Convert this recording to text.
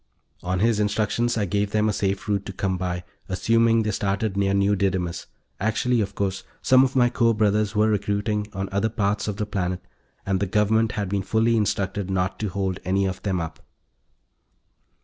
On his instructions, I gave them a safe route to come by, assuming they started near New Didymus; actually, of course, some of my corps brothers were recruiting on other parts of the planet and the Government had been fully instructed not to hold any of them up.